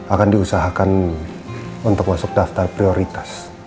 akan diusahakan untuk masuk daftar prioritas